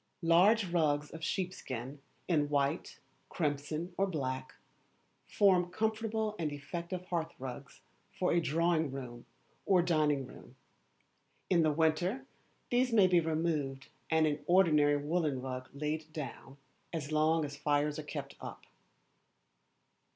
Large rugs of sheepskin, in white, crimson, or black, form comfortable and effective hearth rugs for a drawing room or dining room. In the winter these may be removed and an ordinary woollen rug laid down as long as fires are kept up.